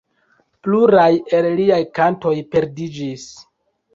Pluraj el liaj kantoj perdiĝis.